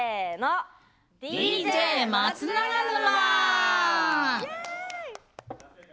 ＤＪ 松永沼！